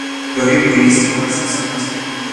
ادارهی پلیس پر از فساد است.